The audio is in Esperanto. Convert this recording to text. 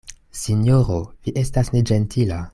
Sinjoro, vi estas neĝentila.